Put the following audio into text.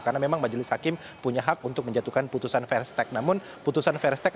karena memang majelis hakim punya hak untuk menjatuhkan putusan fair stake namun putusan fair stake